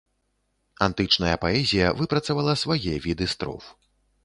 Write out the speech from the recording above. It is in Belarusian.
Антычная паэзія выпрацавала свае віды строф.